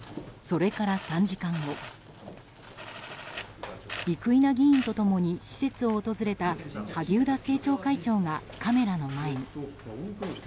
それから３時間後生稲議員と共に施設を訪れた萩生田政調会長がカメラの前に。